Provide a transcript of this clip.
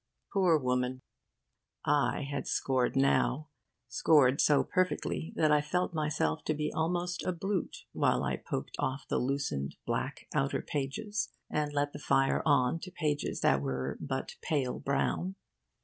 Poor woman! I had scored now, scored so perfectly that I felt myself to be almost a brute while I poked off the loosened black outer pages and led the fire on to pages that were but pale brown.